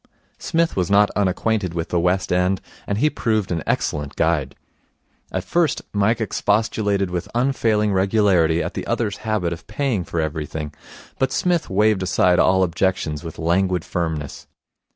Psmith was not unacquainted with the West End, and he proved an excellent guide. At first Mike expostulated with unfailing regularity at the other's habit of paying for everything, but Psmith waved aside all objections with languid firmness.